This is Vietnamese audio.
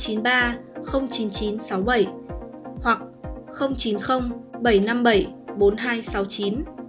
cảm ơn các bạn đã theo dõi